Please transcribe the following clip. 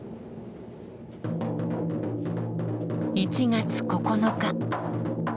１月９日。